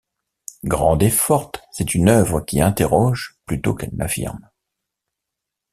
Grande et forte, c’est une œuvre qui interroge plutôt qu’elle n’affirme.